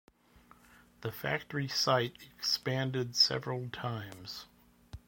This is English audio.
The factory site expanded several times.